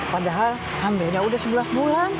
padahal hamilnya udah sebelas bulan